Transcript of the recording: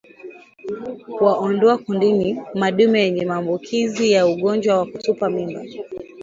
Kuwaondoa kundini madume yenye maambukizi ya ugonjwa wa kutupa mimba